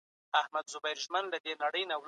موږ بايد د پوهي په ارزښت پوه سو.